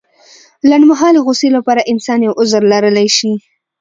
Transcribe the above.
لنډمهالې غوسې لپاره انسان يو عذر لرلی شي.